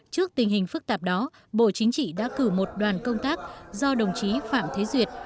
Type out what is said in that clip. trước tình hình phức tạp đó bộ chính trị đã cử một đoàn công tác do đồng chí phạm thế duyệt